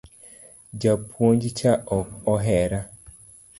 Japuonj cha ok ohera